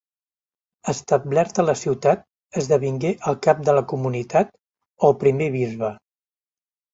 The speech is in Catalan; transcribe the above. Establert a la ciutat, esdevingué el cap de la comunitat, o primer bisbe.